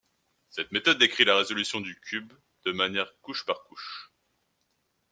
Cette méthode décrit la résolution du cube de manière couche par couche.